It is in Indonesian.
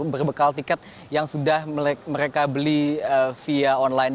berbekal tiket yang sudah mereka beli via online